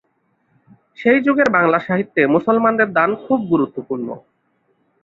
সেই যুগের বাংলা সাহিত্যে মুসলমানদের দান খুব গুরুত্বপূর্ণ।